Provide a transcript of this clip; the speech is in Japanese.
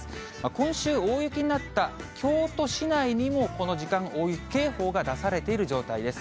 今週、大雪になった京都市内にもこの時間、大雪警報が出されている状態です。